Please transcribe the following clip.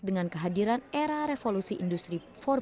dengan kehadiran era revolusi industri empat